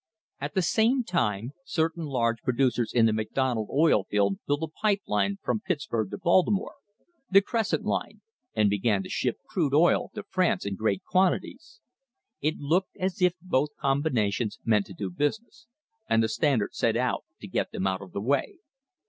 At the same time certain large pro THE PRICE OF OIL ducers in the McDonald oil field built a pipe line from Pitts burg to Baltimore, the Crescent Line, and began to ship crude oil to France in great quantities. It looked as if both com binations meant to do business, and the Standard set out to get them out of the way.